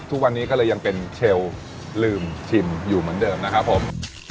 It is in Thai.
ทุกวันนี้ก็เลยยังเป็นเชลลืมชิมอยู่เหมือนเดิมนะครับผม